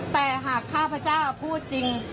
แต่หากข้าพเจ้าพูดจริง